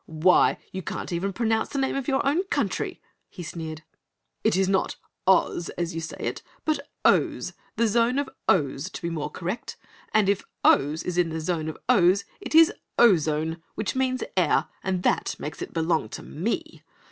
"Why, you can't even pronounce the name of your own country!" he sneered. "It is not Oz, as you say it, but OHS the zone of Ohs, to be more correct. And if Ohs is in the zone of Ohs it is Ozone, which means AIR and that makes it belong to ME!